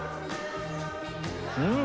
うん！